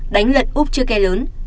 đánh lật úp chiếc ghe lớn